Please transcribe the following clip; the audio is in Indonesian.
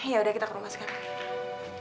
yaudah kita ke rumah sekarang